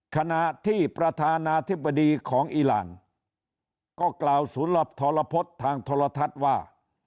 คณะที่ประธานาธิบดีของอิหลังก็กล่าวสนลพทธรรพจน์ทางทธรทัศน์ว่า